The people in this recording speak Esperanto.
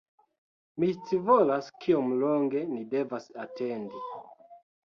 Mi scivolas kiom longe ni devas atendi